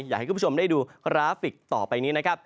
อยากให้คุณผู้ชมได้ดูกราฟิกต่อไปนี้นะครับ